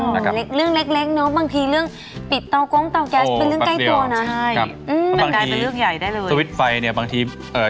เรื่องเล็กเนาะบางทีเรื่องที่ปิดเตากำเตาก๊าดพายล์เป็นเรื่องใกล้ตัวนะ